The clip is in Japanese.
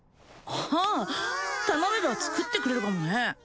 あ頼めば作ってくれるかもね